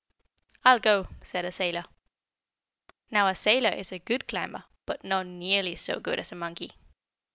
"I'll go," said a sailor. Now a sailor is a good climber, but not nearly so good as a monkey.